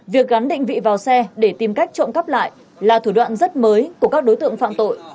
việc gắn định vị vào xe để tìm cách trộm cắp lại là thủ đoạn rất mới của các đối tượng phạm tội